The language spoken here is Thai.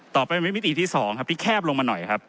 มันเป็นมิติที่๒ครับที่แคบลงมาหน่อยครับ